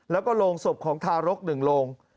แล้วก็โรงศพของทารก๑โรง